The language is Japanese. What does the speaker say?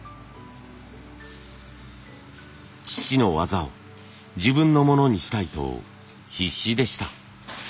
父の技を自分のものにしたいと必死でした。